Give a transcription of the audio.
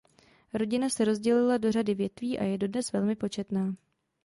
Rodina se rozdělila do řady větví a je dodnes velmi početná.